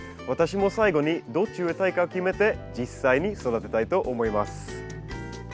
私も最後にどっち植えたいか決めて実際に育てたいと思います。